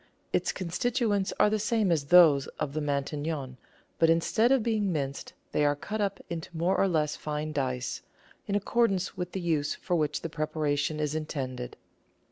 Its constituents are the same as those of the Matignon, but instead of being minced they are cut up into more or less fine dice, in accordance with the use for which the preparation is intended.